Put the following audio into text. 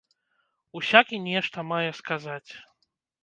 Усякі нешта мае сказаць.